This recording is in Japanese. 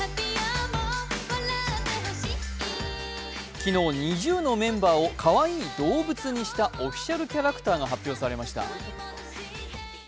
昨日、ＮｉｚｉＵのメンバーをかわいい動物にしたオフィシャルキャラクターが発売されました。